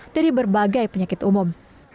dari berbagai penyakit umum